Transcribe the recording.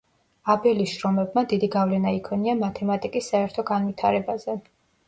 აბელის შრომებმა დიდი გავლენა იქონია მათემატიკის საერთო განვითარებაზე.